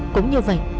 cũng như vậy